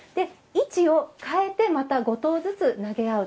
位置を変えてまた５投ずつ投げ合う。